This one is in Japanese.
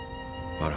あら。